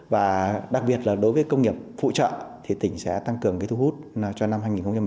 và đặc biệt là đối với công nghiệp phụ trợ thì tỉnh sẽ tăng cường thu hút cho năm hai nghìn một mươi chín